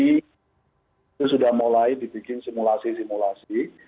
itu sudah mulai dibikin simulasi simulasi